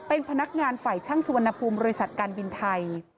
เป็นพนักงานฝ่ายช่างสุวรรณภูมิบินไทย